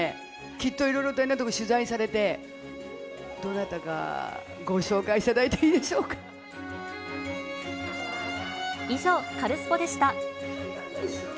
きっといろいろと取材されて、どなたかご紹介していただいてい以上、カルスポっ！でした。